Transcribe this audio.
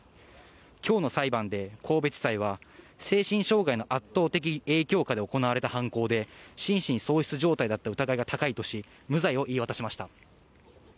きょうの裁判で神戸地裁は、精神障害の圧倒的影響下で行われた犯行で、心神喪失状態だった疑いが高いとし、無罪を言い渡しました。